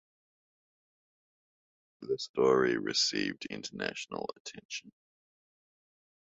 The story received international attention.